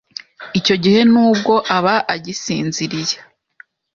icyo gihe nubwo aba agisinziriye,